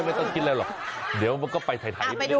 ไม่ต้องกินอะไรหรอกเดี๋ยวก็ไปถ่าย